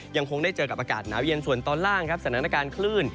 ยังคงได้เจอกับอากาศหนาวเย็นส่วนตอนล่างครับสถานการณ์คลื่น